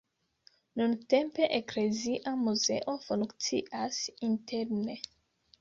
Nuntempe eklezia muzeo funkcias interne.